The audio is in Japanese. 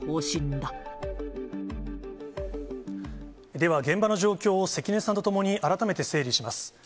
では、現場の状況を、関根さんと共に改めて整理します。